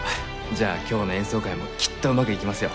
じゃあ今日の演奏会もきっとうまくいきますよ。